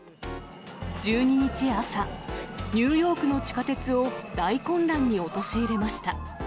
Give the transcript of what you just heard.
１２日朝、ニューヨークの地下鉄を大混乱に陥れました。